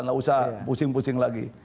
nggak usah pusing pusing lagi